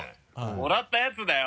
もらったやつだよ。